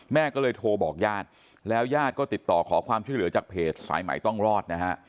แม่ก็เลยโทรบอกญาติแล้วยาดก็ติดต่อขอความช่วยเหลือจากเพจสายใหม่ต้องรอดนะฮะ